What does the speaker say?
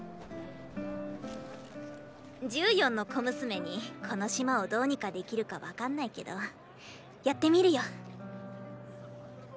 １４の小娘にこの島をどーにかできるか分かんないけどやってみるよ。